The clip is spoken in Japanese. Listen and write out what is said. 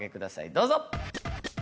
どうぞ！